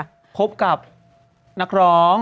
และก็คบกับนักร้อง